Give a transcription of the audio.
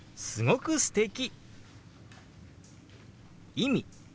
「意味」。